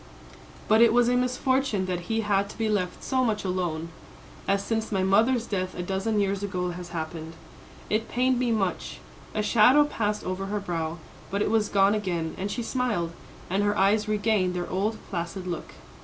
But it was a misfortune that he had to be left so much alone, as since my mother's death a dozen years ago has happened. It pained me much." A shadow passed over her brow, but it was gone again, and she smiled, and her eyes regained their old placid look.